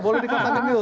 boleh dikatakan gitu